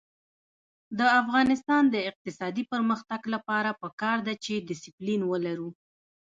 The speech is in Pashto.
د افغانستان د اقتصادي پرمختګ لپاره پکار ده چې دسپلین ولرو.